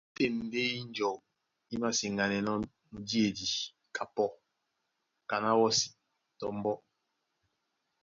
Ótên ndé ínjɔu í māseŋganɛnɔ́ mudíedi kapɔ́ kaná wɔ́si tɔ mbɔ́.